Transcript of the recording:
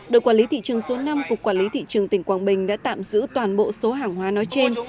đội quản lý thị trường số năm cục quản lý thị trường tỉnh quảng bình đã tạm giữ toàn bộ số hàng hóa nói trên